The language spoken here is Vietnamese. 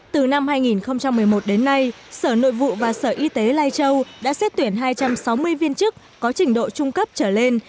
từ năm hai nghìn một mươi một đến nay sở nội vụ và sở y tế lai châu đã xét tuyển hai trăm sáu mươi viên chức có trình độ trung cấp trở lên